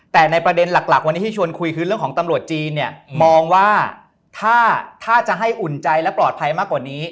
แต่ในประเด็นหลักวันนี้ที่ชวนคุยคือเรื่องของตำรวจจีนเนี่ยมองว่าถ้าจะให้อุ่นใจและปลอดภัยมากกว่านี้